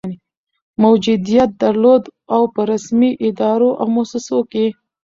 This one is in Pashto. موجودیت درلود، او په رسمي ادارو او مؤسسو کي